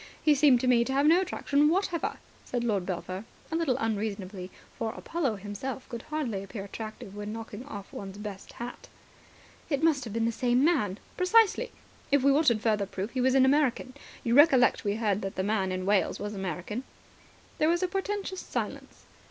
He seemed to me to have no attraction whatever," said Lord Belpher, a little unreasonably, for Apollo himself would hardly appear attractive when knocking one's best hat off. "It must have been the same man." "Precisely. If we wanted further proof, he was an American. You recollect that we heard that the man in Wales was American." There was a portentous silence.